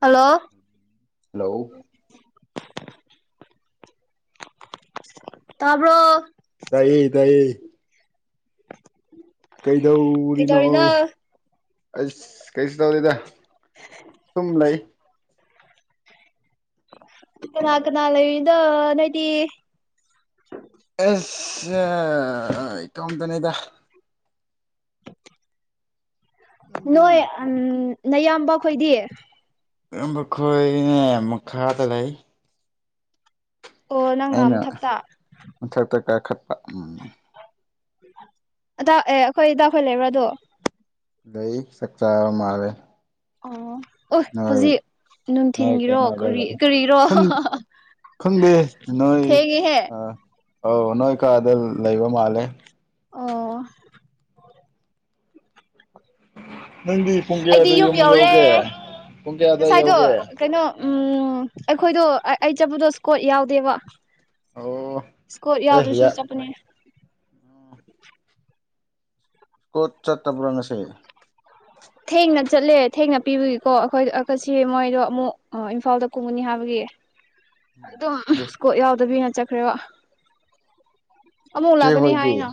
Hello hello ꯇꯕ꯭ꯔꯣ ꯇꯌꯦ ꯇꯌꯦ ꯀꯩꯗꯧꯔꯤꯅꯣ ꯑꯁ ꯀꯩꯁ ꯇꯧꯔꯤꯗ ꯁꯨꯝ ꯂꯩ ꯀꯅꯥ ꯀꯅꯥ ꯂꯩꯗ ꯅꯥꯏꯇ ꯑ ꯏꯇꯅꯤꯗ ꯅꯪꯗꯤ ꯅꯣꯏ ꯑꯝ ꯅꯌꯥꯝꯕ ꯑꯩꯈꯣꯏꯗꯤ ꯑꯝꯕꯈꯣꯏꯅꯦ ꯃ ꯈꯥꯇ ꯂꯩ ꯑꯣ ꯅꯪꯅ ꯃꯊꯞꯛꯇ ꯄꯥꯏꯈꯠꯄ ꯎꯝ ꯑꯗꯥ ꯑꯦ ꯑꯩꯈꯣꯏꯗꯥꯎꯈꯣꯏ ꯂꯩꯕ꯭ꯔꯥꯗꯣ ꯂꯩꯩ ꯁꯀꯇꯥꯕꯣ ꯃꯥꯔ ꯑꯣ ꯑꯣ ꯍꯧꯖꯤꯛ ꯅꯣꯏ ꯅꯨꯡꯊꯤꯟꯒꯤꯔꯣ ꯀꯩꯅꯣꯗ ꯂꯩ ꯀꯔꯤꯔꯣ ꯈꯪ ꯈꯪꯗꯦ ꯅꯣꯏ ꯊꯦꯡꯉꯦꯍꯦ ꯑꯥ ꯑꯧ ꯅꯣꯏ ꯀꯥꯗ ꯂꯩꯕ ꯃꯥꯜꯂꯦ ꯑꯣ ꯎꯝ [unintelligible] ꯅꯪꯗꯤ ꯄꯨꯡ ꯀꯌꯥꯗ ꯑꯩꯗꯤ ꯌꯨꯝ ꯌꯧꯔꯦ ꯌꯧꯒꯦ ꯄꯨꯡ ꯀꯌꯥꯗ ꯉꯁꯥꯏꯗꯣ ꯌꯧꯒꯦ ꯀꯩꯅꯣ ꯑ ꯎꯝ ꯑꯩꯈꯣꯏꯗꯣ ꯑꯩ ꯆꯠꯄꯗꯣ ꯁꯀꯣꯠ ꯌꯥꯎꯗꯦꯕ ꯑꯣ ꯁꯀꯣ ꯑꯦ ꯌꯥꯎꯗꯣꯁꯨ ꯌꯥ ꯆꯄꯅꯤ ꯀꯣꯠ ꯆꯠꯠꯇ ꯄꯨꯔꯅꯁꯦ ꯊꯦꯡꯅ ꯆꯠꯂꯦ ꯊꯦꯡꯅ ꯄꯤꯕꯒꯤꯀꯣ ꯑꯩꯈꯣꯏ ꯀꯁꯤ ꯃꯣꯏꯗꯣ ꯑꯃꯨꯛ ꯏꯝꯐꯥꯜꯗ ꯀꯨꯝꯒꯅꯤ ꯍꯥꯏꯕꯒꯤ ꯑꯗꯨꯝ ꯑꯗꯨ ꯑꯦꯁꯣꯔꯠ꯭ ꯌꯥꯎꯗꯕꯤ ꯆꯠꯈ꯭ꯔꯦꯕ ꯑꯃꯨꯛ ꯆꯦ ꯂꯥꯛꯀꯅꯤ ꯍꯣꯏꯗꯤ ꯍꯥꯏꯅ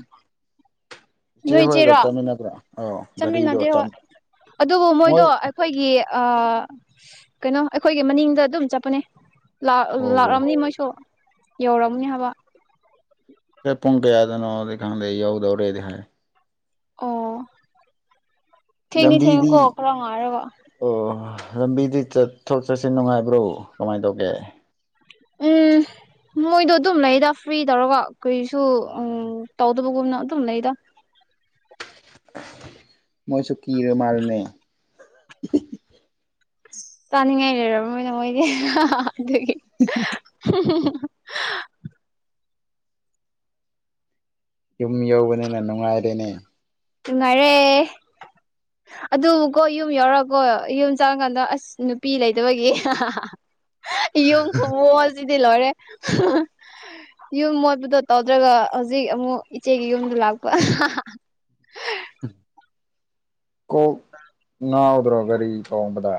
ꯏꯆꯦ ꯍꯣꯏꯒ ꯆꯠꯃꯤꯟꯅꯕ꯭ꯔꯥ ꯑꯣ ꯒꯥꯔꯤꯗꯣ ꯆꯠꯃꯤꯟꯅꯗꯦꯕ ꯆꯝ ꯑꯗꯨꯕꯨ ꯃꯣꯏꯗꯣ ꯃꯣꯏ ꯑꯩꯈꯣꯏꯒꯤ ꯑꯥ ꯀꯩꯅꯣ ꯑꯩꯈꯣꯏꯒꯤ ꯃꯅꯤꯡꯗ ꯑꯗꯨꯝ ꯆꯠꯄꯅꯦ ꯂꯥꯛ ꯑꯣ ꯂꯥꯛꯔꯝꯅꯤ ꯃꯣꯏꯁꯨ ꯌꯧꯔꯝꯅꯤ ꯍꯥꯏꯕ ꯁꯦ ꯄꯨꯡ ꯀꯌꯥꯗꯅꯣꯗꯤ ꯈꯪꯗꯦ ꯌꯧꯗꯧꯔꯦꯗꯤ ꯍꯥꯏ ꯑꯣ ꯊꯦꯡꯗꯤ ꯂꯝꯕꯤꯗꯤ ꯊꯦꯡꯉꯦꯀꯣ ꯈꯔ ꯉꯥꯏꯔꯒ ꯑꯣ ꯂꯝꯕꯤꯗꯤ ꯆꯠꯊꯣꯛ ꯆꯠꯁꯤꯟ ꯅꯨꯡꯉꯥꯏꯕ꯭ꯔꯣ ꯀꯃꯥꯏ ꯇꯧꯒꯦ ꯎꯝ ꯃꯣꯏꯗꯣ ꯑꯗꯨꯝ ꯂꯩꯗ ꯐ꯭ꯔꯤ ꯇꯧꯔꯒ ꯀꯩꯁꯨ ꯑꯝ ꯇꯧꯗꯕꯒꯨꯝꯅ ꯑꯗꯨꯝ ꯂꯩꯗ ꯃꯣꯏꯁꯨ ꯀꯤꯔꯃꯥꯜꯂꯦꯅꯦ ꯆꯥꯅꯤꯡꯉꯥꯏ ꯂꯩꯔꯝꯃꯣꯢꯗ ꯃꯣꯏꯗꯤ [unintelligible] ꯌꯨꯝ ꯌꯧꯕꯅꯤꯅ ꯅꯨꯡꯉꯥꯏꯔꯦꯅꯦ ꯅꯨꯡꯉꯥꯏꯔꯦ ꯑꯗꯨꯕꯨꯀꯣ ꯌꯨꯝ ꯌꯥꯎꯔꯒꯀꯣ ꯌꯨꯝ ꯆꯪꯉꯀꯥꯟꯗ ꯑꯁ ꯅꯨꯄꯤ ꯂꯩꯇꯕꯒꯤ ꯌꯨꯝ ꯈꯨꯃꯣꯖꯤ ꯗꯤ ꯂꯣꯏꯔꯦ ꯌꯨꯝ ꯃꯣꯠꯄꯗꯣ ꯇꯧꯗ꯭ꯔꯒ ꯍꯧꯖꯤꯛ ꯑꯃꯨꯛ ꯏꯆꯦꯒꯤ ꯌꯨꯝꯗꯨ ꯂꯥꯛꯄ꯫ [inaudible] ꯀꯣꯛ ꯉꯥꯎ ꯇ꯭꯭ꯔꯣ ꯒꯔꯤ ꯊꯣꯡꯕꯗ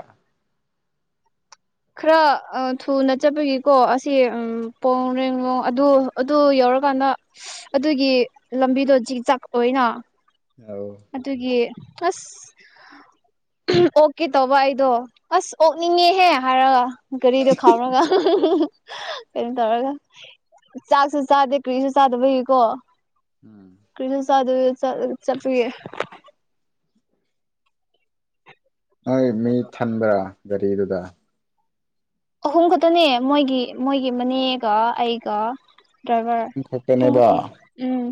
ꯈꯔ ꯑꯥ ꯊꯨꯅ ꯆꯠꯄꯒꯤꯀꯣ ꯑꯁꯤ ꯎꯝ ꯄꯣꯡꯔꯦꯡꯂꯣꯡ ꯑꯗꯨ ꯑꯗꯨ ꯌꯧꯔꯀꯥꯟꯗ ꯑꯗꯨꯒꯤ ꯂꯝꯕꯤꯗꯣ ꯖꯤꯛ ꯖꯥꯛ ꯑꯣꯏꯌꯦꯅ ꯑꯧ ꯑꯗꯨꯒꯤ ꯑꯁ ꯑꯣꯛꯀꯦ ꯇꯧꯕ ꯑꯩꯗꯣ ꯑꯁ ꯑꯣꯛꯅꯤꯡꯉꯦꯍꯦ ꯍꯥꯏꯔꯒ ꯀꯔꯤꯗ ꯈꯥꯝꯔꯒ [unintelligible] ꯀꯩꯅꯣ ꯇꯧꯔꯒ ꯆꯥꯛꯁꯨ ꯆꯥꯗꯦ ꯀ꯭ꯔꯤꯁꯨ ꯆꯥꯗꯕꯒꯤꯀꯣ ꯎꯝ ꯆꯥꯗꯕꯤꯗ ꯆꯠꯂꯒ ꯆꯞ [unintelligible] ꯅꯣꯏ ꯃꯤ ꯊꯟꯕ꯭ꯔꯥ꯫ ꯒꯔꯤꯗꯨꯗ ꯑꯍꯨꯝ ꯈꯛꯇꯅꯦ ꯃꯣꯏꯒꯤ-ꯃꯣꯏꯒꯤ ꯃꯅꯦꯒ ꯑꯩꯒꯥ ꯗ꯭ꯔꯥꯏꯕꯔ ꯈꯛꯇꯅꯦꯕ ꯎꯝ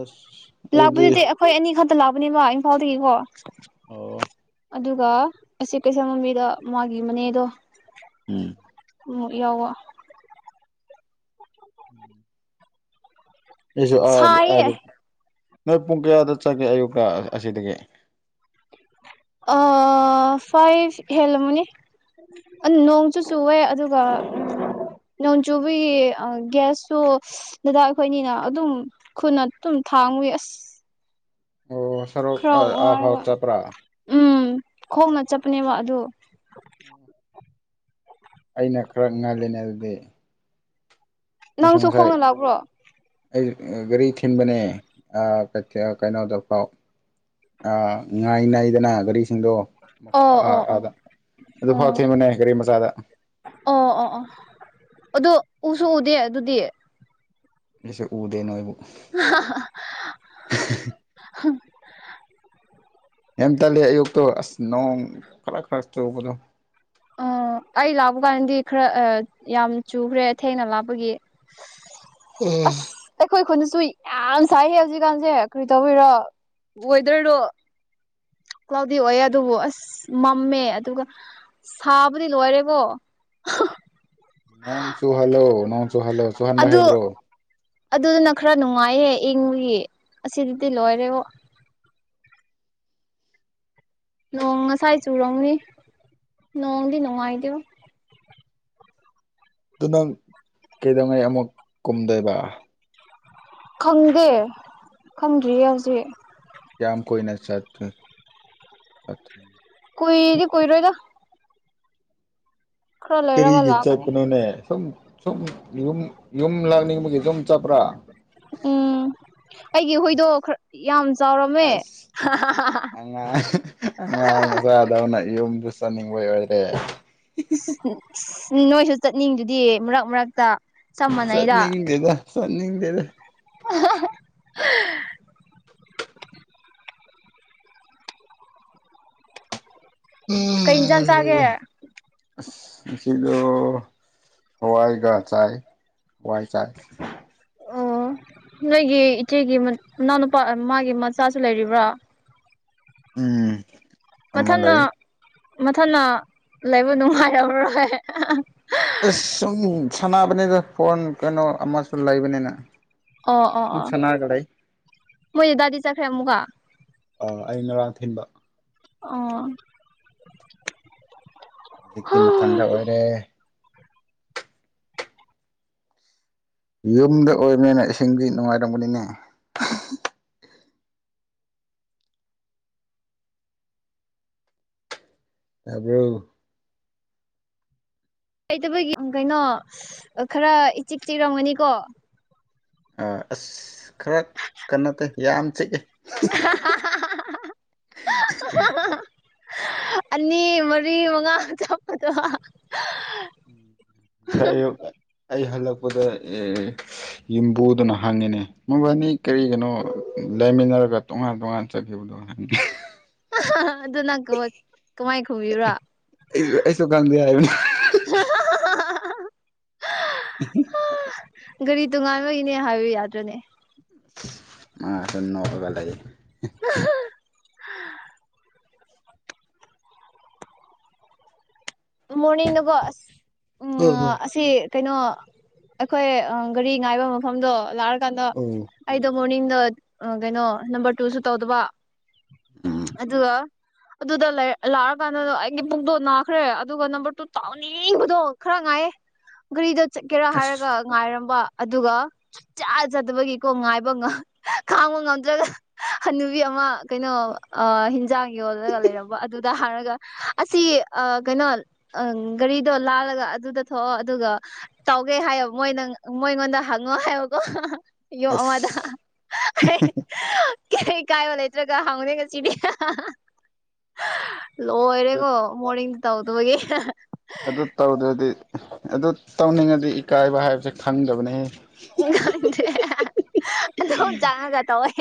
ꯑꯁ ꯑꯗꯨꯗꯤ ꯂꯥꯛꯄꯗꯨꯗꯤ ꯑꯩꯈꯣꯏ ꯑꯅꯤ ꯈꯛ ꯇ ꯂꯥꯛꯄꯅꯦꯕꯥ ꯏꯝꯐꯥꯜꯗꯒꯤꯀꯣ ꯑꯣ [inaudible] ꯑꯗꯨꯒ ꯑꯁꯤ ꯀꯩꯁꯥ ꯃꯕꯤꯗ ꯃꯥꯒꯤ ꯃꯅꯦꯗꯣ ꯎꯝ ꯑꯃꯨꯛ ꯌꯥꯎꯕ꯫ ꯎꯝ ꯌꯦꯁꯨ ꯑꯗ ꯁꯥꯏꯌꯦ ꯑꯗ ꯅꯣꯏ ꯄꯨꯡ ꯀꯌꯥꯗ ꯆꯠꯒꯦ ꯑꯌꯨꯛꯀ ꯑꯁꯤꯗꯒꯤ꯫ ꯑꯥ ꯐꯥꯏꯚ ꯍꯦꯜꯂꯝꯃꯨꯅꯤ ꯅꯣꯡꯁꯨꯨ ꯆꯨꯋꯦ ꯑꯗꯨꯒ ꯅꯣꯡ ꯆꯨꯕꯒꯤ ꯑ ꯒ꯭ꯌꯥꯁꯁꯨ ꯗꯗꯥ ꯑꯩꯈꯣꯏꯅꯤꯅ ꯑꯗꯨꯝ ꯈꯨꯅ ꯑꯗꯨꯝ ꯊꯥꯡꯃꯒꯤ ꯑꯁ [inaudible] ꯈ꯭ꯔ ꯑꯥ ꯐꯥꯎ ꯋꯥꯌꯦꯕꯥ ꯆꯠꯄ꯭ꯔꯥ ꯎꯝ꯫ ꯈꯣꯡꯅ ꯆꯠꯄꯅꯦꯕ ꯑꯗꯨ꯫ ꯑꯩꯅ ꯈꯔ ꯉꯜꯂꯤꯅꯦ ꯑꯗꯨꯗꯤ꯫ ꯑꯩꯁꯨ ꯅꯪꯁꯨ ꯉꯁꯥꯏ ꯈꯣꯡꯅ ꯂꯥꯛꯄ꯭ꯔꯣ꯫ ꯑꯩ ꯒꯥꯔꯤ ꯊꯤꯟꯕꯅꯦ ꯑꯥ ꯀꯩꯊꯦꯜ ꯀꯩꯅꯣꯗꯐꯥꯎ ꯑꯥ ꯉꯥꯏ ꯅꯥꯏꯗꯅ ꯒꯥꯔꯤꯁꯤꯡꯗꯣ ꯑꯣ ꯑꯥ ꯑꯣ ꯑꯣ ꯑꯥꯗ ꯑꯗꯨ ꯐꯥꯎ ꯑꯣ ꯊꯦꯡꯕꯅꯦ ꯒꯥꯔꯤ ꯃꯆꯥꯥꯗ꯫ ꯑꯣ ꯑꯣ ꯑꯣ ꯑꯗꯨ ꯎꯁꯨ ꯎꯗꯦ ꯑꯗꯨꯗꯤ꯫ ꯑꯩꯁꯨ ꯎꯗꯦꯅ ꯅꯣꯏꯕꯨ꯫ [unintelligible] ꯌꯝ ꯇꯜꯂꯦ ꯑꯌꯨꯛꯇꯣ ꯑꯁ ꯅꯣꯡ ꯈꯂꯛ ꯈꯔ ꯆꯨꯕꯗꯣ꯫ ꯑ ꯑꯩ ꯂꯥꯛꯞꯄ ꯀꯥꯟꯗꯤ ꯈꯔ ꯌꯥꯝ ꯆꯨꯈ꯭ꯔꯦ ꯊꯦꯡꯅ ꯂꯥꯞꯄꯒꯤ꯫ ꯑꯁ ꯑꯩꯈꯣꯏ ꯈꯨꯨꯟ꯫ ꯁꯨ ꯌꯥꯝ ꯁꯥꯏꯌꯦ ꯍꯧꯖꯤꯛꯀꯥꯟꯁꯦ ꯀꯔꯤ ꯇꯧꯕꯤꯔꯣ ꯋꯦꯗꯔꯗꯣ ꯀ꯭ꯂꯥꯎꯗꯤ ꯑꯣꯏꯌꯦ ꯑꯗꯨꯕꯨ ꯑꯁ ꯃꯝꯃꯦ ꯑꯗꯨꯒ꯫ ꯁꯥꯕꯨꯗꯤ ꯂꯣꯏꯔꯦꯀꯣ꯫ ꯅꯣꯡ ꯆꯨ ꯍꯜꯂꯣ ꯅꯣꯡ ꯆꯨ ꯍꯜꯂꯣ ꯆꯨ ꯍꯟꯕ ꯍꯩꯕ꯭ꯔꯣ꯫ ꯑꯗꯨꯗꯅ ꯈꯔ ꯅꯨꯡꯉꯥꯏꯍꯦ ꯏꯪꯂꯤ꯫ ꯑꯁꯤꯗꯗꯤ ꯂꯣꯏꯔꯦꯕꯣ꯫ ꯅꯣꯡ ꯉꯁꯥꯏ ꯆꯨꯔꯧꯅꯤ ꯅꯣꯡꯗꯤ ꯅꯨꯡꯉꯥꯏꯇꯦꯕꯣ꯫ ꯑꯗꯨ ꯅꯪ ꯀꯩꯗꯧꯉꯩ ꯑꯃꯨꯛ ꯀꯨꯝꯗꯣꯏꯕ꯫ ꯈꯪꯗꯦ ꯈꯪꯗ꯭ꯔꯤꯌꯦ ꯍꯧꯖꯤꯛ꯫ ꯌꯥꯝ ꯀꯣꯏꯅ ꯆꯠꯇꯨꯅꯦ ꯀꯨꯏꯗꯤ ꯀꯨꯏꯔꯣꯏꯗ ꯈꯔ ꯂꯩꯔꯒ ꯀꯔꯤꯒꯤ ꯂꯥꯛꯀꯅꯤ ꯆꯠꯄꯅꯣꯅꯦ ꯁꯨꯝ ꯁꯨꯝ ꯌꯨꯝ꯫ ꯌꯨꯝ ꯂꯥꯛꯅꯤꯡꯕꯒꯤ ꯌꯨꯝ ꯆꯠꯄ꯭ꯔꯥ꯫ ꯎꯝ꯫ ꯑꯩꯒꯤ ꯍꯨꯏꯗꯣ ꯈꯔ ꯌꯥꯝ꯫ ꯆꯥꯎꯔꯝꯃꯦ ꯑꯁ ꯑꯉꯥꯡ ꯑꯉꯥꯡ ꯃꯆꯥꯥꯗꯧꯅ ꯌꯨꯝꯕꯨ ꯇꯝꯅꯤꯡꯕꯩ ꯌꯥꯎꯔꯗꯤ [inaudible] ꯎꯝ ꯅꯣꯏꯁꯨ ꯆꯠꯅꯤꯡꯗꯨꯗꯤ ꯃꯔꯛ ꯃꯔꯛꯇ ꯆꯞ ꯃꯥꯟꯅꯩꯗ ꯆꯠꯅꯤꯡꯗꯦꯗ ꯆꯠ ꯅꯤꯡꯗꯦꯗ [unintelligible] ꯀꯩ ꯏꯟꯖꯥꯡ ꯆꯥꯒꯦ ꯉꯁꯤꯗꫭ ꯍꯋꯥꯏꯒ ꯆꯥꯏ ꯍꯋꯥꯏ ꯆꯥꯏ ꯑꯣ ꯅꯣꯏꯒꯤ ꯏꯆꯦꯒꯤ ꯃꯅꯥꯎꯅꯨꯄꯥ ꯑ ꯃꯥꯒꯤ ꯃꯆꯥꯁꯨ ꯂꯩꯔꯤꯕ꯭ꯔꫭ ꯎꯝ ꯑꯃ ꯃꯊꯟꯅ ꯂꯩ ꯃꯊꯟꯅꯥ ꯂꯩꯕ ꯅꯨꯡꯉꯥꯏꯔꯝ ꯃꯔꯣꯏ ꯏꯁ ꯁꯨꯝ ꯁꯥꯟꯅꯕꯅꯤꯗ ꯐꯣꯟ ꯀꯩꯅꯣ ꯑꯃꯁꯨ ꯂꯩꯕꯅꯤꯅ ꯑꯣ ꯑꯣ ꯁꯨꯝ ꯑꯣ ꯁꯥꯟꯅꯔꯒ ꯂꯩ ꯃꯣꯏ ꯗꯗꯥꯗꯤ ꯆꯈ꯭ꯔꯦ ꯑꯃꯨ ꯀ ꯑꯥ ꯑꯩ ꯉꯔꯥꯡ ꯊꯤꯟꯕ ꯑꯣ ꯍꯧꯖꯤꯛꯇꯤ ꯃꯊꯟꯗ ꯑꯣꯏꯔꯦ ꯌꯨꯝꯗ ꯑꯣꯏꯕꯅꯤꯅ ꯏꯁꯤꯡꯗꯤ ꯅꯨꯡꯉꯥꯏꯔꯝꯕ ꯒꯅꯤꯅꯦ ꯇꯥꯕ꯭ꯔꫭ ꯂꯩꯇꯕꯒꯤ ꯎꯝ ꯀꯩꯅꯣ ꯈꯔ ꯏꯆꯤꯛ ꯆꯤꯛꯔꯝꯒꯅꯤꯀꯣ ꯑꯥ ꯑꯁ ꯈꯔ ꯀ ꯅꯠꯇꯦ ꯌꯥꯝ ꯆꯤꯛꯏ [inaudible] ꯑꯅꯤ ꯃꯔꯤ ꯃꯉꯥ ꯆꯥ [unintelligible] ꯗꫭ ꯁꯥꯏ ꯑꯌꯨꯛ ꯑꯩ ꯍꯜꯂꯛ ꯄꯗ ꯑꯦ ꯌꯨꯝꯕꯨꯗꯨꯅ ꯍꯪꯉꯤꯅꯦ ꯃꯕꯥꯅꯤ ꯀꯔꯤꯒꯤꯅꯣ ꯂꯩꯃꯤꯟꯅꯔꯒ ꯇꯣꯉꯥꯟ ꯇꯣꯉꯥꯟ ꯆꯠꯈꯤꯕꯗꯣ ꯍꯪꯉꯤ [inaudible] ꯑꯗꯨꯅꯪ ꯀꯃꯥꯏ ꯈꯨꯕꯤꯕ꯭ꯔꯥ ꯑꯩꯁꯨ ꯑꯩꯁꯨ ꯈꯪꯗꯦ ꯍꯥꯏꯕꯅꯤ [inaudible] ꯒꯥꯔꯤ ꯇꯣꯉꯥꯟꯕꯥꯟꯕꯒꯤꯅꯦ ꯍꯥꯏꯌꯨ ꯌꯥꯗ꯭ꯔꯅꯦ ꯃꯥꯁꯨ ꯅꫭꯛꯔꯒ ꯂꯩ [inaudible] [inaudible] ꯃꯣꯔꯅꯤꯡꯗꯨꯀꯣ ꯑꯁ ꯎꯝ ꯑꯣ ꯑꯣ ꯑꯁꯤ ꯀꯩꯅꯣ ꯑꯩꯈꯣꯏ ꯑ ꯒꯥꯔꯤ ꯉꯥꯏꯕ ꯃꯐꯝꯗꯣ ꯂꯥꯛ ꯀꯥꯟꯗ ꯑꯣ. ꯑꯩꯗꫭ ꯃꯣꯔꯅꯤꯡꯗ ꯑ ꯀꯩꯅꯣ ꯅꯝꯕꯔ ꯇꯨꯁꯨ ꯇꯧꯗꯕ ꯎꯝ ꯑꯗꯨꯒ ꯑꯗꯨꯗ ꯂꯥꯛꯑꯀꯥꯟꯗ ꯑꯩꯒꯤ ꯄꯨꯛꯗꯣ ꯅꯥꯈ꯭ꯔꯦ ꯑꯗꯨꯒ ꯅꯝꯕꯔ ꯇꯨ ꯇꯥꯎꯅꯤꯡꯕꯗꯣ ꯈꯔ ꯉꯥꯏꯌꯦ ꯒꯥꯔꯤꯗ ꯆꯠꯀꯦꯔꯥ ꯍꯥꯏꯔꯒ ꯑꯁ ꯉꯥꯏꯔꯝꯕ ꯑꯗꯨꯒ ꯆꯥꯖꯗꯕꯒꯤꯀꯣ ꯉꯥꯏꯕ ꯈꯥꯡꯕ ꯉꯝꯗ꯭ꯔꯒ ꯍꯅꯨꯕꯤ ꯑꯃ ꯀꯩꯅꯣ ꯍꯤꯟꯖꯥꯡ ꯌꯣꯜꯂꯒ ꯂꯩꯔꯝꯕ ꯑꯗꯨꯗ ꯍꯥꯏꯔꯒ ꯑꯁꯤ ꯑꯥ ꯀꯩꯅꯣ ꯑꯪ ꯒꯥꯔꯤꯗꯣ ꯂꯥꯜꯂꯒ ꯑꯗꯨꯗ ꯊꯣꯛꯑꯣ ꯑꯗꯨꯒ ꯇꯧꯒꯦ ꯍꯥꯏꯌꯦ ꯃꯣꯏꯅ ꯃꯣꯏꯉꯣꯟꯗ ꯍꯪꯉꯣ ꯍꯥꯏꯕꯀꯣ ꯌꯨꯝ ꯑꯃꯗ ꯑꯁ ꯀꯩꯩ ꯀꯥꯏꯕ ꯂꯩꯇ꯭ꯔꯒ ꯍꯥꯎꯅꯦ ꯉꯁꯤꯗꯤ ꯑꯗꯨ ꯂꯣꯏꯔꯦꯀꯣ ꯃꯣꯔꯤꯡ ꯇꯧꯕꯒꯤ ꯑꯗꯨ ꯇꯧꯗ꯭ꯔꯗꯤ ꯑꯗꯨ ꯇꯧꯅꯤꯡꯉꯗꯤ ꯏꯀꯥꯏꯕ ꯍꯥꯏꯕꯁꯦ ꯈꯪꯗꯕꯅꯦꯍ ꯈꯪꯗꯦ ꯑꯗꯨꯝ ꯆꯪꯉꯒꯥ ꯇꯧꯏ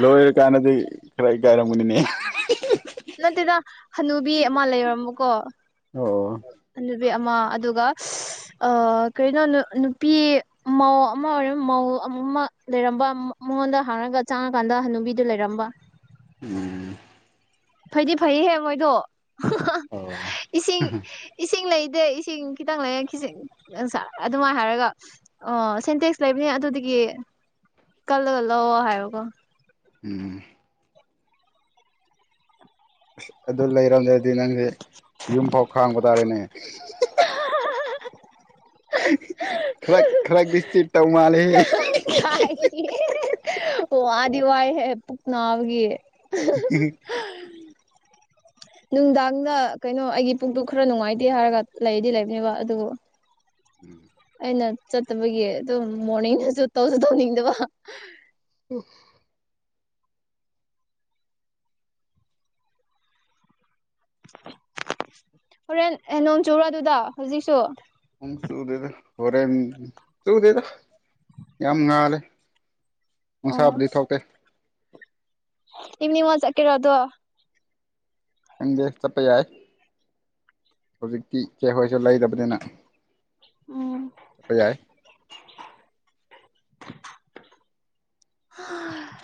ꯂꯣꯏꯔꯀꯥꯟꯗꯗꯤ ꯈꯔ ꯏꯀꯥꯏꯔꯝꯒꯅꯤ ꯃꯤ ꯀꯣ ꯑꯣ ꯅꯨꯕꯤ ꯑꯃ ꯑꯗꯨꯒ ꯑꯥ ꯀꯩꯅꯣ ꯅꯨꯄꯤ ꯃꯧ ꯑꯃ ꯑꯣꯏꯔ ꯃꯧ ꯑꯃ ꯂꯩꯔꯝꯕ ꯃꯉꯣꯟꯗ ꯍꯔꯉꯒ ꯆꯪꯉꯀꯥꯟꯗ ꯍꯥꯅꯨꯕꯤꯗꯨ ꯂꯩꯔꯝꯕ ꯎꯝ ꯐꯩꯗꯤ ꯐꯩꯌꯦꯍꯦ ꯃꯣꯏꯗꯣ꯫ ꯑꯣ ꯏꯁꯤꯡ ꯏꯁꯤꯡ ꯂꯩ ꯇꯦ ꯏꯁꯤꯡ ꯈꯤꯇꯪ ꯂꯩꯌꯦ ꯈꯤꯖꯦ ꯑꯗꯨꯃꯥꯏꯅ ꯍꯥꯏꯔꯒ ꯑꯣ ꯁꯦꯟꯇꯦꯛꯁ ꯂꯩꯕꯅꯦ ꯑꯗꯨꯗꯒꯤ ꯀꯜꯂꯒ ꯂꯧꯑꯣ ꯍꯥꯏꯕꯀꯣ꯫ ꯎꯝ ꯑꯁ ꯑꯗꯨ ꯂꯩꯔꯝꯗꯔ ꯅꯪꯁꯦ ꯌꯨꯝ ꯐꯥꯎ ꯈꯥꯡꯕ ꯇꯥꯔꯦꯅꯦ ꯈꯥꯔꯛ ꯈꯥꯔꯛꯇꯤ ꯆꯤꯠꯇꯧ ꯃꯥꯂꯦꯍꯦ꯫ ꯑꯣ ꯋꯥꯗꯤ ꯋꯥꯏꯍꯦ ꯄꯨꯛ ꯅꯥꯕꯒꯤ꯫ [inaudible] ꯅꯨꯡꯗꯥꯡꯗ ꯀꯩꯅꯣ ꯑꯩꯒꯤ ꯄꯨꯨꯛꯗꯨꯨ ꯈꯔ ꯅꯨꯡꯉꯥꯏꯇꯦ ꯍꯥꯏꯔꯒ ꯂꯩꯗꯤ ꯂꯩꯕꯅꯦꯕ ꯑꯗꯨꯕꯨ ꯎꯝ ꯑꯩꯅ ꯆꯠꯇꯕꯒꯤ ꯑꯗꯨꯝ ꯃꯣꯔꯅꯤꯡꯗꯁꯨ ꯇꯧꯁꯨ ꯇꯧꯅꯤꯡꯗꯕ꯫ ꯍꯣꯔꯦꯟ ꯅꯣꯡ ꯆꯨꯨꯔꯣ ꯑꯗꯨꯗ ꯍꯧꯖꯤꯛꯁꯨ꯫ ꯅꯣꯡ ꯆꯨꯗꯦꯗ ꯍꯣꯔꯦꯟ ꯆꯨꯗꯦꯗ ꯌꯥꯝ ꯉꯥꯜꯂꯦ꯫ ꯅꯨꯡꯁꯥꯕꯨꯗꯤ ꯊꯣꯛꯇꯦ꯫ ꯏꯚꯅꯤꯡ ꯋꯥꯛ ꯆꯠꯀꯦꯔ ꯑꯗꯣ꯫ ꯈꯪꯗꯦ ꯆꯠꯄ ꯌꯥꯏ ꯍꯧꯖꯤꯛꯇꯤ ꯏꯆꯦꯍꯣꯏꯁꯨ ꯂꯩꯗꯕꯅꯤꯅ꯫ ꯎꯝ ꯄ ꯌꯥꯏ ꯍꯥ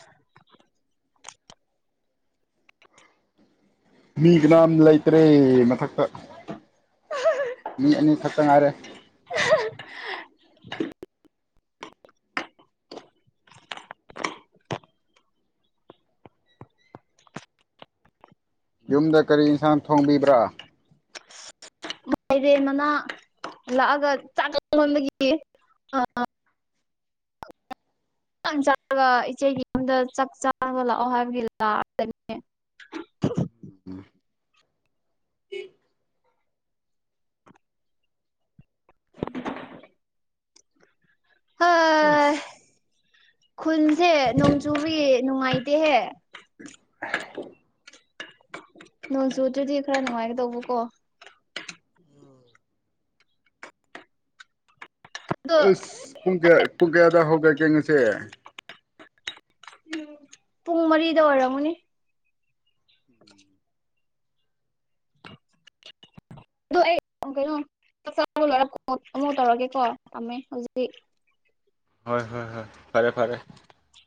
ꯃꯤ ꯀꯅꯥꯝ ꯂꯩꯇ꯭ꯔꯦ ꯃꯊꯛꯇ ꯃꯤ ꯑꯅꯤꯈꯛꯇ ꯉꯥꯏꯔꯦ꯫ [inaudible] ꯌꯨꯝꯗ ꯀꯔꯤ ꯏꯟꯁꯥꯡ ꯊꯣꯡꯕꯤꯕ꯭ꯔꯥ꯫ ꯃꯥꯏꯔꯦꯟ ꯃꯅꯥ ꯂꯥꯛꯑꯒ ꯆꯥꯛ ꯂꯥꯝꯃꯟꯕꯒꯤ ꯆ ꯏꯆꯦꯒꯤ ꯌꯨꯝꯗ ꯆꯥꯛ ꯆꯥꯕ ꯂꯥꯛꯑꯣ ꯍꯥꯏꯕꯒꯤ ꯂꯥꯛꯑꯅꯤ꯫ [inaudible] [inaudible] [unintelligible] ꯍꯁ ꯈꯨꯜꯁꯦ ꯅꯣꯡꯆꯨꯕꯒꯤ ꯅꯨꯡꯉꯥꯏ ꯇꯦꯍꯦ [inaudible] ꯅꯣꯡꯆꯨꯗ꯭ꯔꯗꯤ ꯈꯔ ꯅꯨꯡꯉꯥꯏꯒꯗꯧꯕꯀꯣ꯫ ꯑꯗꯣ ꯑꯁ ꯄꯨꯡ ꯀꯌꯥ ꯄꯨꯡ ꯀꯌꯥꯗ ꯍꯧꯒꯠꯀꯦ ꯉꯁꯤ꯫ ꯄꯦ ꯎꯝ ꯄꯨꯡ ꯃꯔꯤꯗ ꯑꯣꯏꯔꯝꯃꯅꯤ꯫ [inaudible] ꯑꯗꯨ ꯑꯩ ꯀꯩꯅꯣ ꯆꯥꯛ ꯆꯥꯕ ꯂꯣꯏꯔꯒ ꯑꯃꯨꯛ ꯇꯧꯔꯒꯦꯀꯣ ꯊꯝꯃꯦ ꯍꯧꯖꯤꯛ꯫ ꯍꯣꯏ ꯍꯣꯏ ꯍꯣꯏ꯫ ꯐꯔꯦ-ꯐꯔꯦ꯫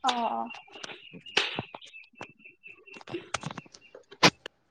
ꯑꯣ [unintelligible] [unintelligible]